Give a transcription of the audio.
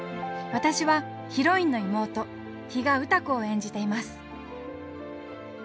私はヒロインの妹比嘉歌子を演じています。